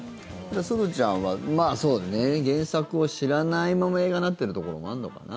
すずちゃんはまあ、そうね原作を知らないまま映画になっているところもあるのかな？